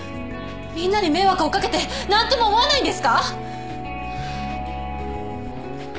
みんなに迷惑を掛けて何とも思わないんですか？